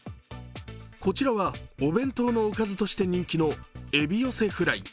こちらはお弁当のおかずとして人気のエビ寄せフライ。